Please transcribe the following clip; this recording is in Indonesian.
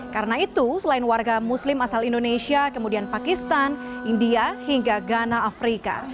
karena itu selain warga muslim asal indonesia kemudian pakistan india hingga ghana afrika